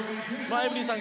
エブリンさん